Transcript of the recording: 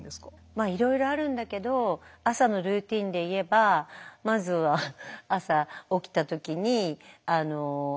まあいろいろあるんだけど朝のルーティンで言えばまずは朝起きた時にあったかいお湯を飲むさ湯を飲むとか。